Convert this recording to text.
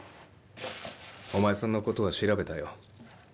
お前さんのことは調べたよ。